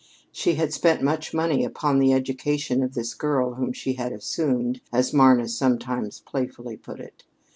She had spent much money upon the education of this girl whom she had "assumed," as Marna sometimes playfully put it.